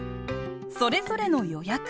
それぞれの予約。